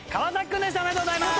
おめでとうございます！